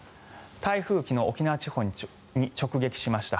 台風昨日、沖縄地方に直撃しました。